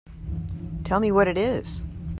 Tell me what it is.